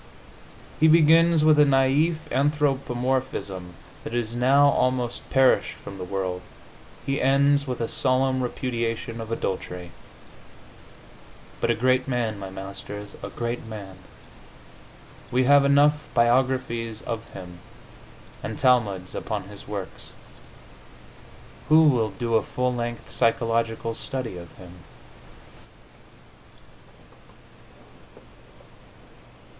He begins with a naif anthropomorphism that is now almost perished from the world; he ends with a solemn repudiation of adultery.... But a great man, my masters, a great man! We have enough biographies of him, and talmuds upon his works. Who will do a full length psychological study of him?